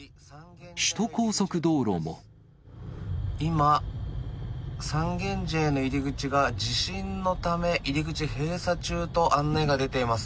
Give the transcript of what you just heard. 今、三軒茶屋の入り口が地震のため、入り口閉鎖中と案内が出ています。